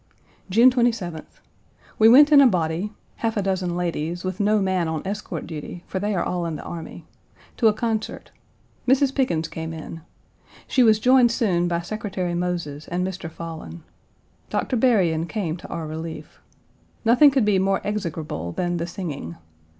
June 27th. We went in a body (half a dozen ladies, with no man on escort duty, for they are all in the army) to a concert. Mrs. Pickens came in. She was joined soon by Secretary Moses and Mr. Follen. Doctor Berrien came to our relief. Nothing could be more execrable than the singing.